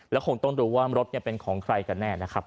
แล้วคงต้องดูว่ารถเป็นของใครกันแน่นะครับ